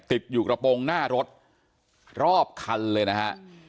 ติดอยู่กระโปรงหน้ารถรอบคันเลยนะฮะ